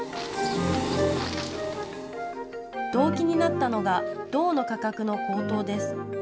動機になったのが銅の価格の高騰です。